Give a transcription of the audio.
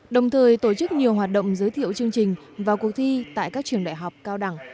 đồng thời tổ chức nhiều hoạt động giới thiệu chương trình và cuộc thi tại các trường đại học cao đẳng